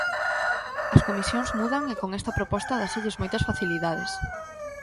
As comisións mudan e con esta proposta dáselles moitas facilidades.